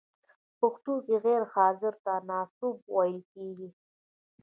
په پښتو کې غیر حاضر ته ناسوب ویل کیږی.